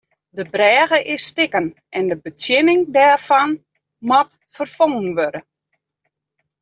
De brêge is stikken en de betsjinning dêrfan moat ferfongen wurde.